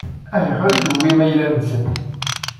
Ayɣer i tewwim ayla-nsen?